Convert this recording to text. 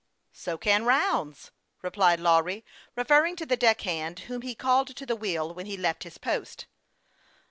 " So can Rounds," replied Lawry, referring to the deck hand whom he called to the wheel when he left his post.